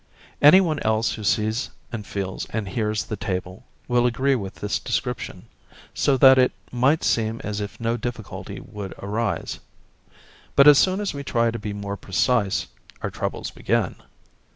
Any one else who sees and feels and hears the table will agree with this description, so that it might seem as if no difficulty would arise; but as soon as we try to be more precise our troubles begin.